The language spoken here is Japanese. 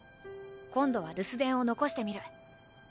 今度は留守電を残してみる。